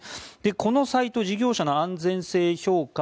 このサイト事業者の安全性評価